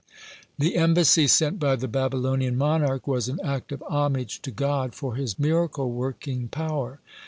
(83) The embassy sent by the Babylonian monarch was an act of homage to God for his miracle working power.